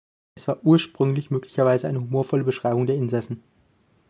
Es war ursprünglich möglicherweise eine humorvolle Beschreibung der Insassen.